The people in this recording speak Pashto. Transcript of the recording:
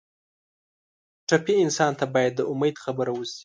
ټپي انسان ته باید د امید خبره وشي.